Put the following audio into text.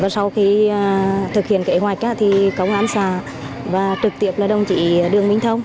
sau khi thực hiện kế hoạch thì công an xà và trực tiếp là đồng chỉ đường minh thông